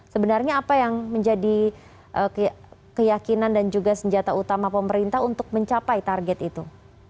sebenarnya apa yang menjadi keyakinan dan juga senjata utama pemerintah untuk mencapai target itu